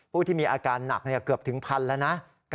ผู้ที่มีอาการหนักเกือบถึงพันแล้วนะ